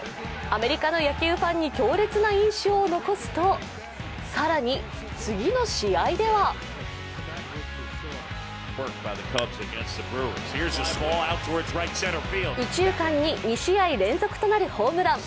アメリカの野球ファンに強烈な印象を残すと、更に、次の試合では右中間に２試合連続となるホームラン。